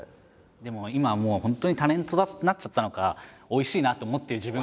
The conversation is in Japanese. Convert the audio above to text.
でも今はもう本当にタレントになっちゃったのかおいしいですよ。